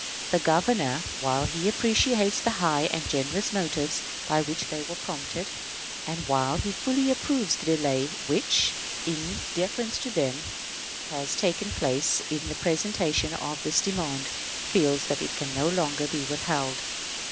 The Governor, while he appreciates the high and generous motives by which they were prompted, and while he fully approves the delay which, in deference to them, has taken place in the presentation of this demand, feels that it can not longer be withheld.